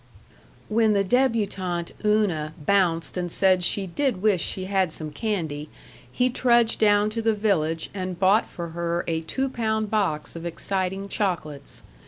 When the débutante Una bounced and said she did wish she had some candy, he trudged down to the village and bought for her a two pound box of exciting chocolates.